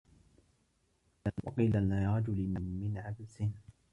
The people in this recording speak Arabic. وَقِيلَ لِرَجُلٍ مِنْ عَبْسٍ